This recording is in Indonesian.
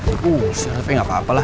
uh seletnya gapapa lah